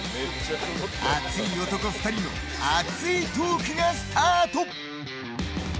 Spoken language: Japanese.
熱い男２人の熱いトークがスタート。